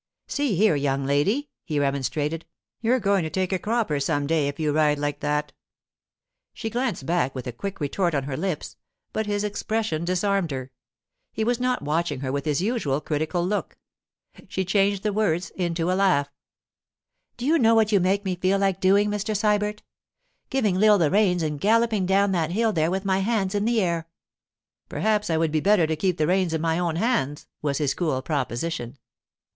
'See here, young lady,' he remonstrated, 'you're going to take a cropper some day if you ride like that.' She glanced back with a quick retort on her lips, but his expression disarmed her. He was not watching her with his usual critical look. She changed the words into a laugh. 'Do you know what you make me feel like doing, Mr. Sybert? Giving Lil the reins and galloping down that hill there with my hands in the air.' 'Perhaps I would better keep the reins in my own hands,' was his cool proposition.